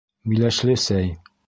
Миләшле сәй